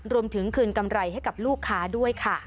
รวมถึงคืนกำไรให้กับลูกค้าด้วยค่ะ